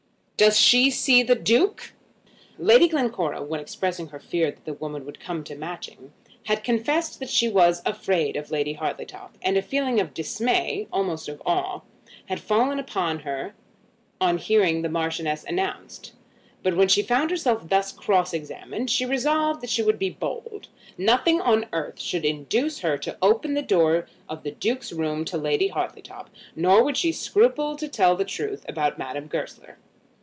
"Does she see the Duke?" Lady Glencora, when expressing her fear that the woman would come to Matching, had confessed that she was afraid of Lady Hartletop. And a feeling of dismay almost of awe had fallen upon her on hearing the Marchioness announced. But when she found herself thus cross examined, she resolved that she would be bold. Nothing on earth should induce her to open the door of the Duke's room to Lady Hartletop, nor would she scruple to tell the truth about Madame Goesler.